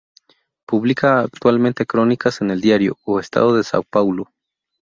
Publica actualmente crónicas en el diario "O Estado de São Paulo".